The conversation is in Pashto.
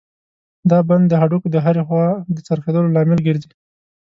دا بند د هډوکو د هرې خوا د څرخېدلو لامل ګرځي.